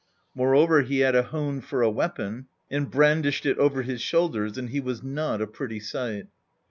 Moreover he had a hone for a weapon, and brandished it over his shoulders, and he was not a pretty sight.